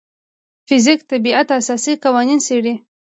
فزیک د طبیعت اساسي قوانین څېړي.